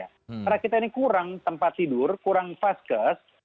karena kita ini kurang tempat tidur kurang faskes